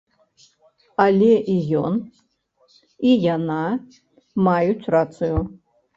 Але і ён, і яна маюць рацыю.